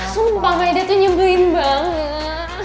sumpah maeda tuh nyebelin banget